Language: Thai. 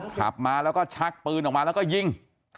ขับมาแล้วก็ชักปืนออกมาแล้วก็ยิง